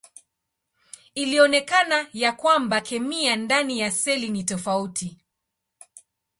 Ilionekana ya kwamba kemia ndani ya seli ni tofauti.